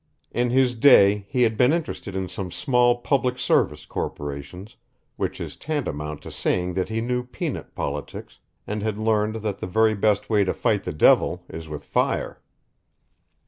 In his day he had been interested in some small public service corporations, which is tantamount to saying that he knew peanut politics and had learned that the very best way to fight the devil is with fire.